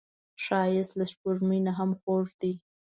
ښایست له سپوږمۍ نه هم خوږ دی